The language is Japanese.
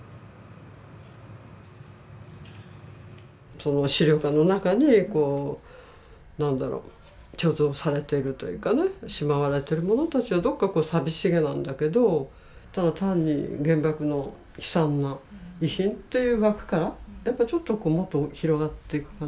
その資料館の中にこう何だろう貯蔵されているというかねしまわれているものたちはどっかこう寂しげなんだけどただ単に原爆の悲惨な遺品っていう枠からやっぱちょっとこうもっと広がっていく感じが